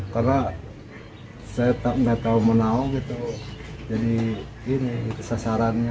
karena saya tidak tahu tahu gitu jadi ini sasarannya